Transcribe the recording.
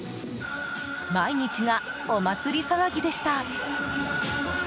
毎日がお祭り騒ぎでした。